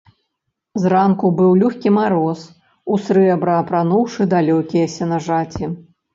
Зранку быў лёгкі мароз, у срэбра апрануўшы далёкія сенажаці.